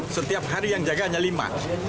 setiap hari yang jaga hanya lima